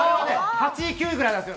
８位９位ぐらいなんです。